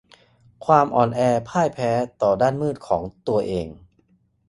ความอ่อนแอพ่ายแพ้ต่อด้านมืดของตัวเอง